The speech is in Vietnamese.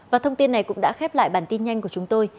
và thông tin này cũng đã khép lại bản tin nhanh của chúng tôi